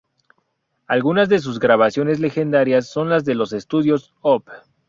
Algunas de sus grabaciones legendarias son las de los Estudios Op.